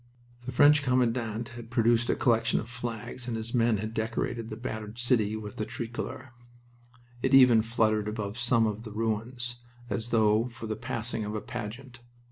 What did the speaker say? The French commandant had procured a collection of flags and his men had decorated the battered city with the Tricolor. It even fluttered above some of the ruins, as though for the passing of a pageant.